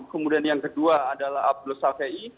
kemudian yang kedua adalah abdul safei